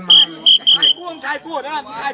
พ่อหนูเป็นใคร